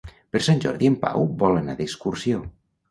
Per Sant Jordi en Pau vol anar d'excursió.